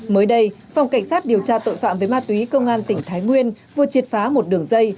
mới đây phòng cảnh sát điều tra tội phạm với ma túy công an tỉnh thái nguyên vừa triệt phá một đường dây